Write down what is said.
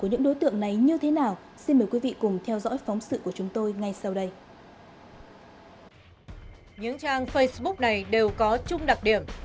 những trang facebook này đều có chung đặc điểm